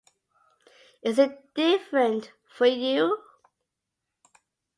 Is it different for you?